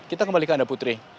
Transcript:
kita kembalikan anda putri